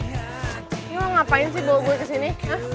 lu mau ngapain sih bawa gue kesini